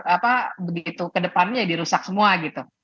apa begitu ke depannya ya dirusak semua gitu